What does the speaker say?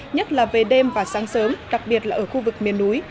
nhất là về đêm và sáng sớm đặc biệt là ở khu vực miền núi